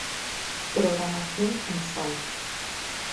Programación en sala.